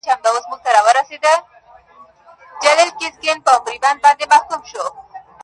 د گندارا د شاپېريو د سُرخيو په باب~